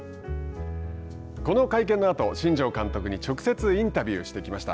この会見のあと新庄監督に直接インタビューしてきました。